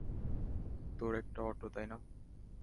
তোর একটা অটো, তাই না?